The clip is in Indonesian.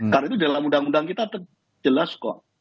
karena itu dalam undang undang kita jelas kok